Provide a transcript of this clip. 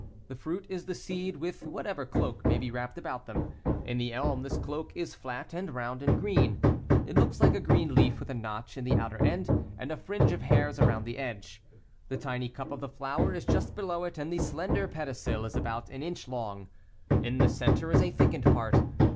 The fruit is the seed with whatever cloak maybe wrapped about them. In the elm this cloak is flat and round and green. It looks hke a green leaf with a notch in the outer end and a fringe of hairs around the edge (Fig. 7). The tiny cup of the flower is just below it, and the slender ^^(/w/ is about an inch long. In the 21 center is a thickened part.